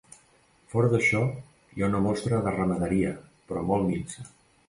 Fora d'això hi ha una mostra de ramaderia, però molt minsa.